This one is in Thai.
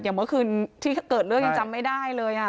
เมื่อคืนที่เกิดเรื่องยังจำไม่ได้เลย